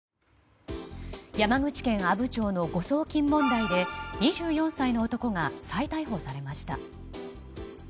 山口県阿武町の誤送金問題で２４歳の男が再逮捕されました。